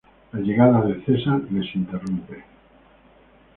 La llegada de Caesar les interrumpe.